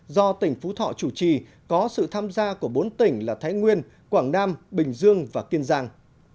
do tỉnh phú thọ chủ trì có sự tham gia của bốn tỉnh là thái nguyên quảng nam bình dương và kiên giang